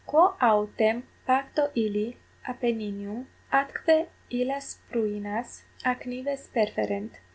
quo autem pacto illi Appenninum atque illas pruinas ac nives perferent?